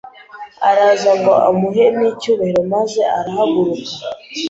araza ngo amuhe n’icyubaro maze arahaguruka